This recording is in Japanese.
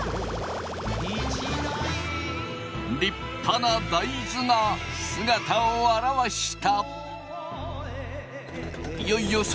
立派な大豆が姿を現した！